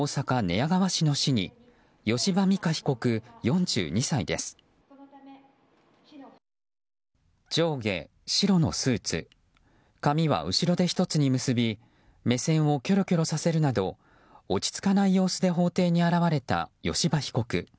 上下白のスーツ髪は後ろで１つに結び目線をきょろきょろさせるなど落ち着かない様子で法廷に現れた吉羽被告。